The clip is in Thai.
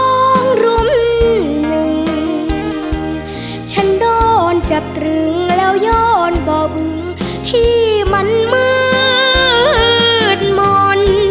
ของรุมหนึ่งฉันโดนจับตรึงแล้วย้อนบ่วงที่มันมืดมนต์